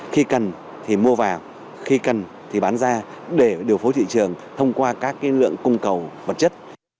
khi cần thì mua vào khi cần thì bán ra để điều phối thị trường thông qua các lượng cung cầu vật chất